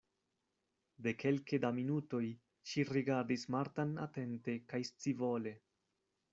De kelke da minutoj ŝi rigardis Martan atente kaj scivole.